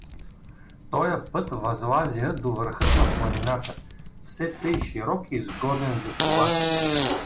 Тоя път възлазя до върхът на планината, все тъй широк и сгоден за кола.